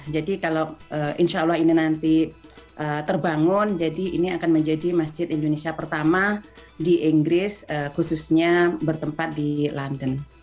kalau insya allah ini nanti terbangun jadi ini akan menjadi masjid indonesia pertama di inggris khususnya bertempat di london